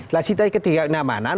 lah situasi ketidaknyamanan